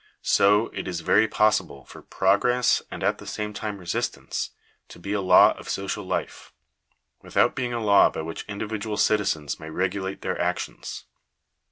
so, it is very possible for " progress, and at the same time resistance," to be a law of social life, without being a law by which individual citizens may regulate their actions.